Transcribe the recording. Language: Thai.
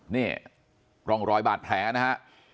นี่ร่องรอยบาดแผลนะฮะ